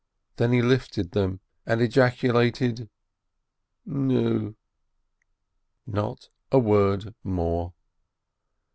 Then he lifted them and ejaculated : "Nu !" And not a word more.